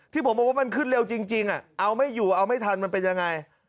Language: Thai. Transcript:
ที่ผมบอกว่ามันขึ้นเร็วจริงเอาไม่อยู่เอาไม่ทันมันเป็นยังไง